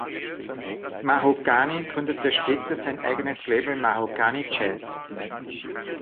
Mahogany gründete später sein eigenes Label „Mahogany Jazz“.